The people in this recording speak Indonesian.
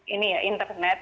ini ya internet